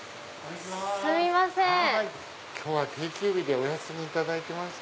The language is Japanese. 今日は定休日でお休み頂いてまして。